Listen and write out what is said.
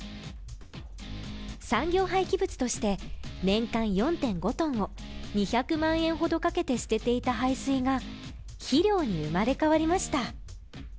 産業廃棄物として年間４．５ｔを２００万円ほどかけて捨てていた廃水が肥料に生まれ変わりました。